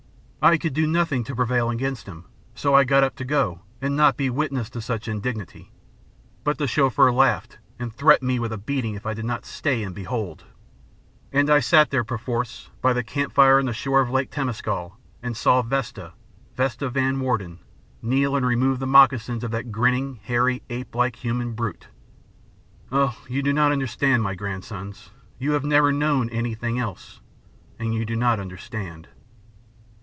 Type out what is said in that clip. I could do nothing to prevail against him. So I got up to go, and not be witness to such indignity. But the Chauffeur laughed and threatened me with a beating if I did not stay and behold. And I sat there, perforce, by the campfire on the shore of Lake Temescal, and saw Vesta, Vesta Van Warden, kneel and remove the moccasins of that grinning, hairy, apelike human brute. " Oh, you do not understand, my grandsons. You have never known anything else, and you do not understand.